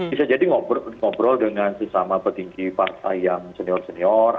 bisa jadi ngobrol dengan sesama petinggi partai yang senior senior